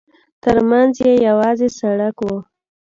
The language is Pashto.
ترمنځ یې یوازې سړک و.